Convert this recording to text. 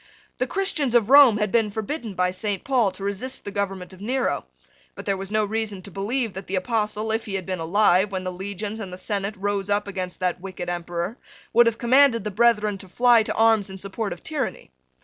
The Christians of Rome had been forbidden by Saint Paul to resist the government of Nero: but there was no reason to believe that the Apostle, if he had been alive when the Legions and the Senate rose up against that wicked Emperor, would have commanded the brethren to fly to arms in support of tyranny.